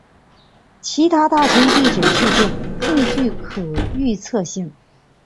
其他大型地质事件更具可预测性。